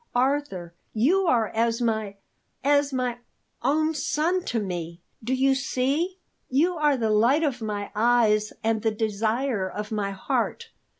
Arthur, you are as my as my own son to me. Do you see? You are the light of my eyes and the desire of my heart.